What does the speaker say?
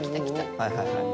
はいはいはい。